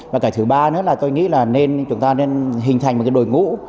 và cái thứ ba nữa là tôi nghĩ là nên chúng ta nên hình thành một cái đội ngũ